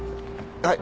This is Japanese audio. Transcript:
はい。